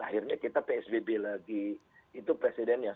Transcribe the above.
akhirnya kita pcb lagi itu presiden yang